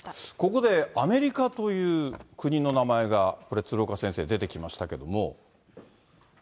ここでアメリカという国の名前がこれ、鶴岡先生、出てきましたけれども。